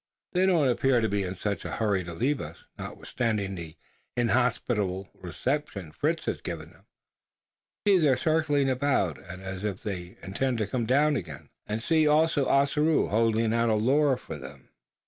They don't appear to be in such a hurry to leave us notwithstanding the inhospitable reception Fritz has given them. See! they are circling about, as if they intended to come down again. And see also Ossaroo he's holding out a lure for them.